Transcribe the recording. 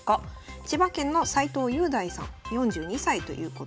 千葉県の斎藤雄大さん４２歳ということです。